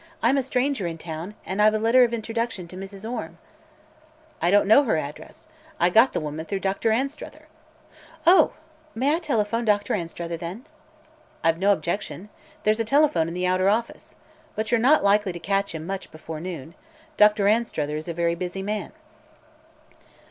"I'm a stranger in town and I've a letter of introduction to Mrs. Orme." "I don't know her address. I got the woman through Dr. Anstruther." "Oh. May I telephone Dr. Anstruther, then?" "I've no objection. There's a telephone in the outer office. But you're not likely to catch him much before noon. Dr. Anstruther is a very busy man."